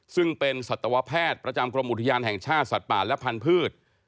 ซึ่งเป็นสัตวแพทย์ประจำกรมอุทยานแห่งชาติสัตว์ป่าและพันธุ์